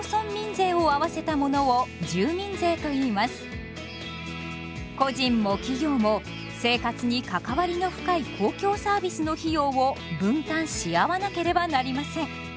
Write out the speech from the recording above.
例えば個人も企業も生活に関わりの深い公共サービスの費用を分担し合わなければなりません。